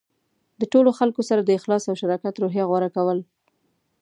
د ټولو خلکو سره د اخلاص او شراکت روحیه غوره کول.